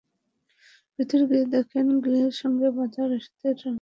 ভেতরে গিয়ে দেখেন গ্রিলের সঙ্গে বাঁধা রশিতে রামেশ্বর সাহার লাশ ঝুলছে।